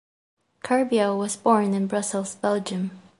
Corbiau was born in Brussels, Belgium.